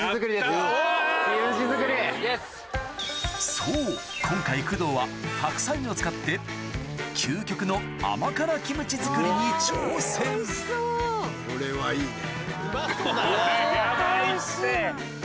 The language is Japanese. そう今回工藤は白菜を使って究極の甘辛キムチ作りに挑戦おいしそう！